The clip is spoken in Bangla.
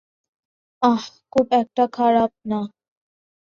আহ, খুব একটা খারাপ না।